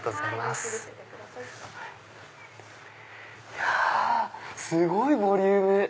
いやすごいボリューム！